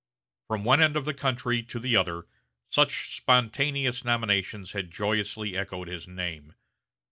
From one end of the country to the other such spontaneous nominations had joyously echoed his name.